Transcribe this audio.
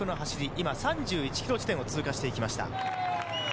今３１ｋｍ地点を通過していきました。